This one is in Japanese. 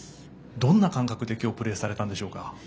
どんな感覚で今日プレーされたんでしょうか。